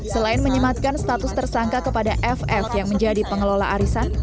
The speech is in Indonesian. selain menyematkan status tersangka kepada ff yang menjadi pengelola arisan